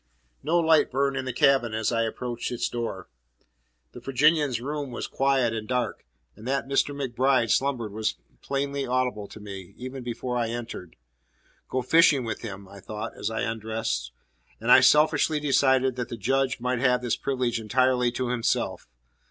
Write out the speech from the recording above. No light burned in the cabin as I approached its door. The Virginian's room was quiet and dark; and that Dr. MacBride slumbered was plainly audible to me, even before I entered. Go fishing with him! I thought, as I undressed. And I selfishly decided that the Judge might have this privilege entirely to himself.